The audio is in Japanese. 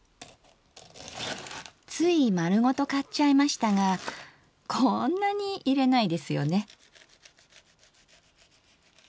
つい丸ごと買っちゃいましたがこんなに入れないですよね。